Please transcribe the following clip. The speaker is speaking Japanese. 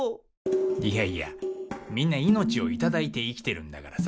いやいやみんな命を頂いて生きてるんだからさ